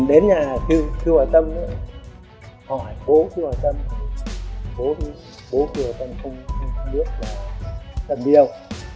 bố cư bà tâm không biết là tâm đi đâu